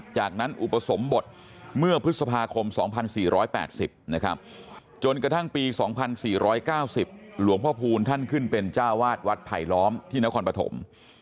จากนั้นอุปสมบทเมื่อพฤษภาคม๒๔๘๐นะครับจนกระทั่งปี๒๔๙๐หลวงพ่อพูลท่านขึ้นเป็นเจ้าวาดวัดไผลล้อมที่นครปฐม